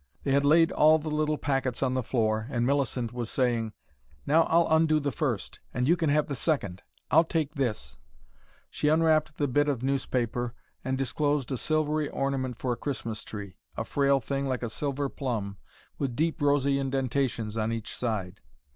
They had laid all the little packets on the floor, and Millicent was saying: "Now I'll undo the first, and you can have the second. I'll take this " She unwrapped the bit of newspaper and disclosed a silvery ornament for a Christmas tree: a frail thing like a silver plum, with deep rosy indentations on each side.